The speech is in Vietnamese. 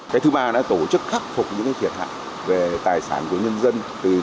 cái thứ ba đã tổ chức khắc phục những thiệt hại về tài sản của nhân dân